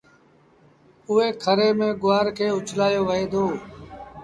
اُئي کري ميݩ گُوآر کي اُڇلآيو وهي دو۔